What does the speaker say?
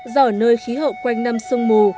do ở nơi khí hậu quanh năm sông mù